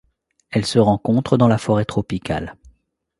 Elle se rencontre dans la forêt tropicale.